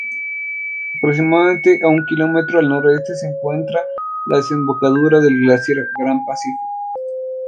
Aproximadamente a un km al noreste se encuentra la desembocadura del glaciar Grand Pacific.